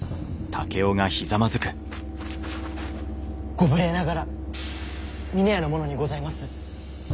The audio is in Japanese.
ご無礼ながら峰屋の者にございます。